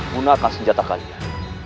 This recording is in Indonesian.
gunakan senjata kalian